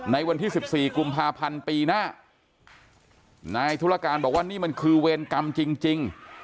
ในวันที่สิบสี่กุมภาพันธ์ปีหน้านายธุรการบอกว่านี่มันคือเวรกรรมจริง